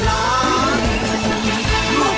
อายคือปริญญาใจน้องจึงยิ่มได้วันนี้